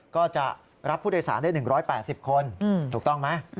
ก็จะรับผู้โดยสารได้๑๘๐คนถูกต้องไหม